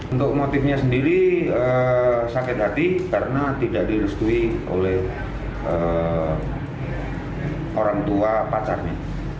untuk motifnya sendiri sakit hati karena tidak direstui oleh orang tua pacarnya